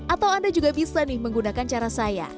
atau anda juga bisa menggunakan cara saya